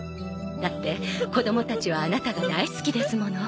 だって子供たちはアナタが大好きですもの。